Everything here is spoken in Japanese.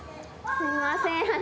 すみません